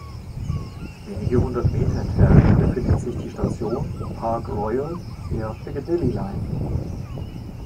Wenige hundert Meter entfernt befindet sich die Station Park Royal der Piccadilly Line.